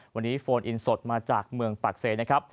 วันนี้โฟนอินสดมาจากเมืองปากเซนะครับ